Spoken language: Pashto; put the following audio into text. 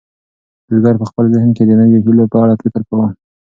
بزګر په خپل ذهن کې د نویو هیلو په اړه فکر کاوه.